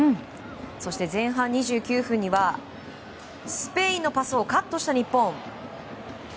そして前半２９分にはスペインのパスをカットした日本。